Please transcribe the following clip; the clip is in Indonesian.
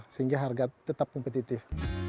sehingga harga tetap kompetitif